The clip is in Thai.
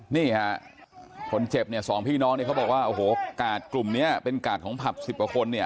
นี่ค่ะคนเจ็บเนี่ยสองพี่น้องเนี่ยเขาบอกว่าโอ้โหกาดกลุ่มนี้เป็นกาดของผับ๑๐กว่าคนเนี่ย